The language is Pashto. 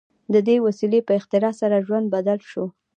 د دې وسیلې په اختراع سره ژوند بدل شو.